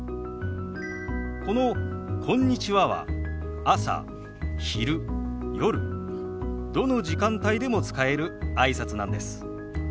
この「こんにちは」は朝昼夜どの時間帯でも使えるあいさつなんです。